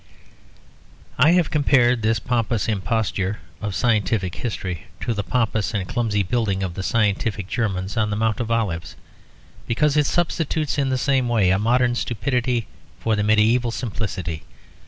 I have compared this pompous imposture of scientific history to the pompous and clumsy building of the scientific Germans on the Mount of Olives, because it substitutes in the same way a modern stupidity for the medieval simplicity.